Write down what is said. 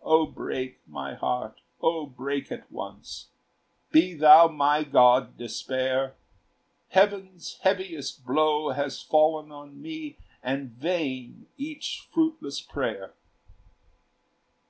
"O break, my heart, O break at once! Be thou my god, Despair! Heaven's heaviest blow has fallen on me. And vain each fruitless prayer."